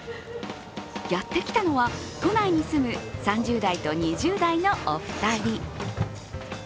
やってきたのは都内に住む３０代と２０代のお二人。